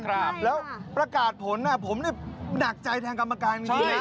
แล้วประกาศผลความผมน่ากใจแทนกำมากายจริงนะ